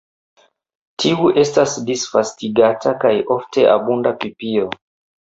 Tiu estas disvastigata kaj ofte abunda pipio.